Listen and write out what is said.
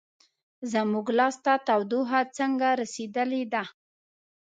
زموږ لاس ته تودوخه څنګه رسیدلې ده؟